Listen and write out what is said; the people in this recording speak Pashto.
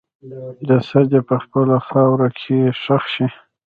جسد یې په خپله خاوره کې ښخ شي.